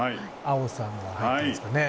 碧さんが入ってますね。